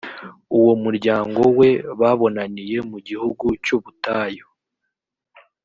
uwo muryango we babonaniye mu gihugu cy’ubutayu,